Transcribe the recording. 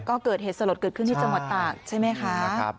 ก็เกิดเหตุสลดเกิดขึ้นที่จังหวัดตากใช่ไหมคะ